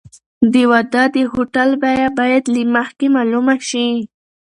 د واده د هوټل بیه باید له مخکې معلومه شي.